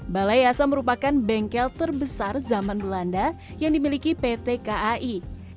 balai yasa merupakan bengkel terbesar zaman belanda yang dimiliki pt kai